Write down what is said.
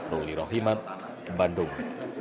ruli rohimat bandung